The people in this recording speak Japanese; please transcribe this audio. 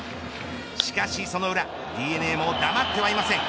しかしその裏ＤｅＮＡも黙ってはいません。